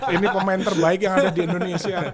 ini pemain terbaik yang ada di indonesia